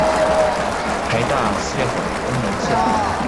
臺大思亮館東南側